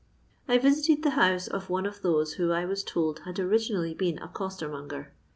I visited the house of one of those who I was told had originally been a coster monger.